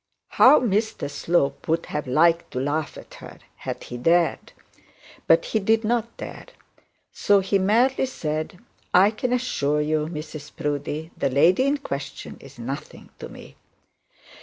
How Mr Slope would have liked to laugh at her, had he dared! But he did not dare. So he merely said, 'I can assure you, Mrs Proudie, the lady in question is nothing to me.'